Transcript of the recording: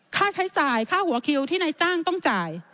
ค่าใช้จ่ายค่าหัวคิวที่นายจ้างต้องจ่าย